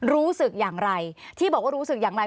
รู้สึกอย่างไรที่บอกว่ารู้สึกอย่างไร